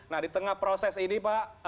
nah di tengah proses ini pak